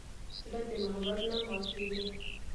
زړه د محبت نه ماتېږي.